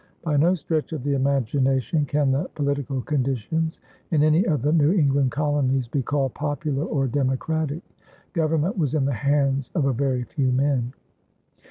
By no stretch of the imagination can the political conditions in any of the New England colonies be called popular or democratic. Government was in the hands of a very few men.